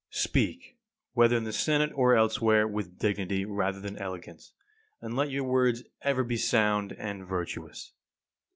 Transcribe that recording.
30. Speak, whether in the Senate or elsewhere, with dignity rather than elegance; and let your words ever be sound and virtuous.